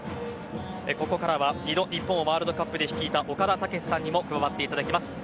ここからは２度日本をワールドカップに導いた岡田武史さんにも加わっていただきます。